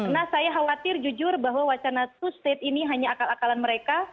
nah saya khawatir jujur bahwa wacana two state ini hanya akal akalan mereka